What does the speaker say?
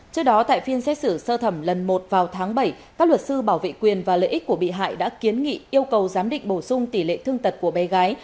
trước đó tại phiên xét xử sơ thẩm lần một vào tháng bảy các luật sư bảo vệ quyền và lợi ích của bị hại đã kiến nghị yêu cầu giám định bổ sung tỷ lệ thương tật của bé gái